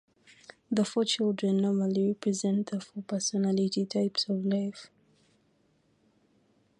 The four children normally represent the four personality types of life.